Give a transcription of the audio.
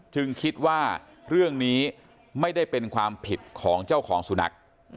คิดว่าเรื่องนี้ไม่ได้เป็นความผิดของเจ้าของสุนัข